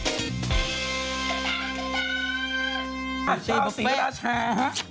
เดี๋ยวกลับมา